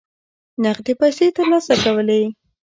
نغدي پیسې ترلاسه کولې.